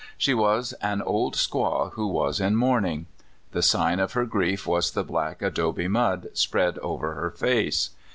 She was an old squaw who was in mourning. The sign of her grief was the black adobe mud spread over her face.